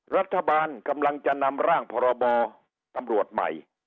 รัฐบาลกำลังจะนำร่างพรบตำรวจใหม่